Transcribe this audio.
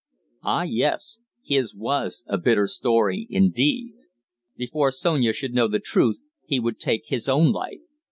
Ah, yes, his was a bitter story indeed. Before Sonia should know the truth he would take his own life.